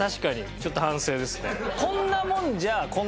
ちょっと反省ですね。